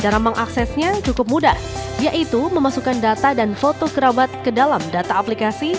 dan ramang aksesnya cukup mudah yaitu memasukkan data dan foto kerabat ke dalam data aplikasi